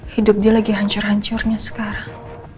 hidup dia lagi hancur hancurnya sekarang